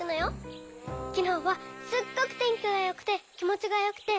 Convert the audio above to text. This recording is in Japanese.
きのうはすっごくてんきがよくてきもちがよくて。